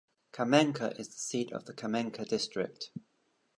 Camenca is the seat of Camenca District.